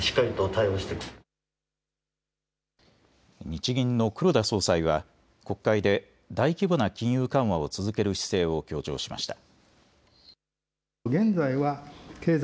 日銀の黒田総裁は国会で大規模な金融緩和を続ける姿勢を強調しました。